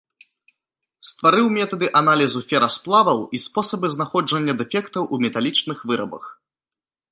Стварыў метады аналізу ферасплаваў і спосабы знаходжання дэфектаў у металічных вырабах.